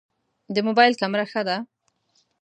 د موبایل کمره ښه ده؟